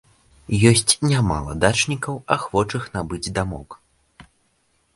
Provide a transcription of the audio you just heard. Ёсць нямала дачнікаў, ахвочых набыць дамок.